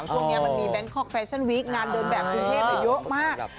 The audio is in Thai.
ช่วงนี้มันมีแบงคอกแฟชั่นวีคงานเดินแบบกรุงเทพเยอะมาก